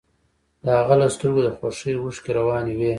د هغه له سترګو د خوښۍ اوښکې روانې وې